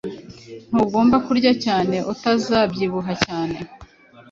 Ntugomba kurya cyane utazabyibuha cyane